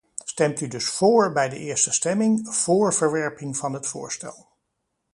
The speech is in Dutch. Stemt u dus vóór bij de eerste stemming, vóór verwerping van het voorstel.